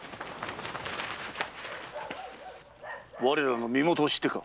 我らの身元を知ってか？